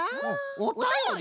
おたより？